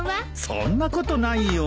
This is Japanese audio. そんなことないよ。